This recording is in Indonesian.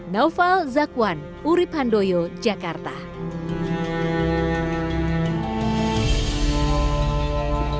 jika anda ingin mengetahui apa yang terjadi pada saat ini silakan beri tahu di kolom komentar